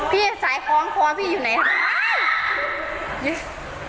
พี่ใส่คล้องคล้องพี่อยู่ไหน